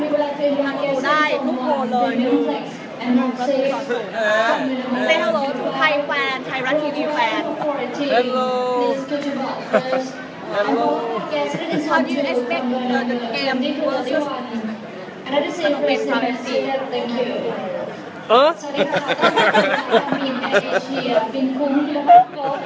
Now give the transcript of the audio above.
ขอบคุณมากค่ะมึกเกมแล้วพบกับยาโฮ